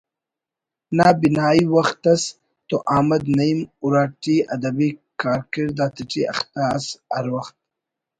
نا بنائی وخت ئس تو احمد نعیم اراٹی ادبی کارکڑد آتیٹی اختہ ئس ہر وخت